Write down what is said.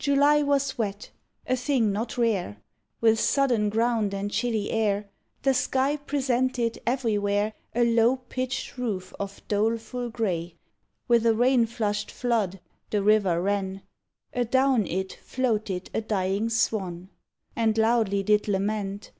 July was wet, a thing not rare With sodden ground and chilly air; The sky presented everywhere A low pitched roof of doleful grey; With a rain flusht flood the river ran; Adown it floated a dying Swan, And loudly did lament.